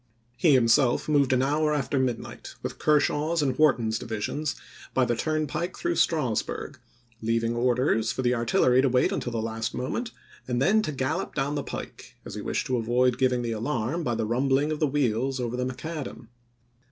He himself moved an hour after midnight, with Kershaw's and Wharton's divisions, by the turn pike through Strasburg, leaving orders for the artillery to wait until the last moment, and then to gallop down the pike, as he wished to avoid giving the alarm by the rumbling of the wheels over the macadam.